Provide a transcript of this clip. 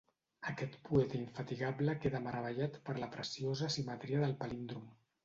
Aquest poeta infatigable queda meravellat per la preciosa simetria del palíndrom.